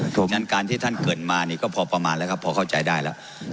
เพราะฉะนั้นการที่ท่านเกิดมานี่ก็พอประมาณแล้วครับพอเข้าใจได้แล้ว